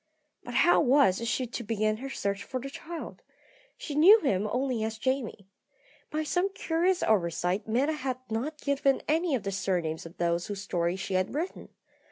But how was she to begin her search for the child? She knew him only as Jamie. By some curious oversight Meta had not given any of the surnames of those whose story she had written.